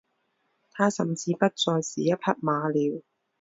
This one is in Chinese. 他甚至不再是一匹马了。